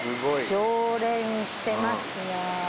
浄蓮してますね。